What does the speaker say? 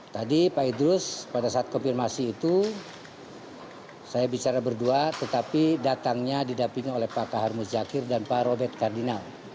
tadi pak idrus pada saat konfirmasi itu saya bicara berdua tetapi datangnya didampingi oleh pak kahar muzakir dan pak robert kardinal